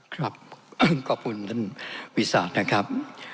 ครับขอบคุณท่านวิศาจนะครับ